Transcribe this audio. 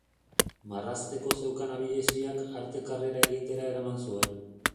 Marrazteko zeukan abileziak arte-karrera egitera eraman zuen.